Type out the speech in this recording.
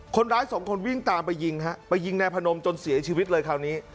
คนร้ายสองคนวิ่งตามไปยิงฮะไปยิงนายพนมจนเสียชีวิตเลยคราวนี้